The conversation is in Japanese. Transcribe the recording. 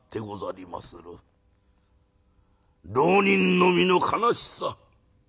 浪人の身の悲しさ。